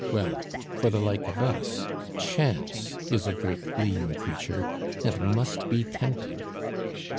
Well, for the like of us, Chance is a great lean creature, and must be tempted."